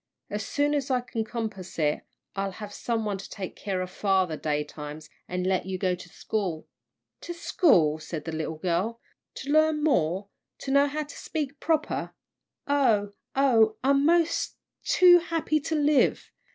As soon as I can compass it, I'll have some one to take care of father daytimes, and let you go to school." "To school!" said the little girl, "to learn more to know how to speak proper! Oh, oh, I'm mos' too happy to live!